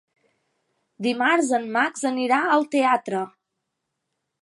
Dimarts en Max anirà al teatre.